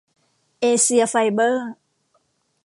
เอเซียไฟเบอร์